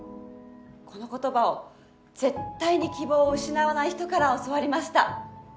この言葉を絶対に希望を失わない人から教わりました